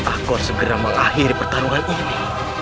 aku harus segera mengakhiri pertarungan ini